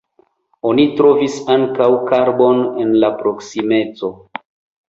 Oni trovis ankaŭ karbon en la proksimeco.